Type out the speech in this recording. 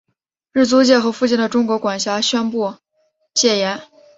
日租界和附近的中国管区宣布戒严。